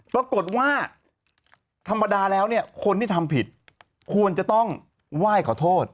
ปรากฏว่าธรรมดาแล้วเนี่ยคนที่ทำผิดควรจะต้องไหว้ขอโทษ